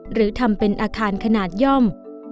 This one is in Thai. หรือทำเป็นอาคารขนาดย่อม